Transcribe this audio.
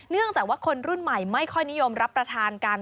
เนื่องจากว่าคนรุ่นใหม่ไม่ค่อยนิยมรับประทานกัน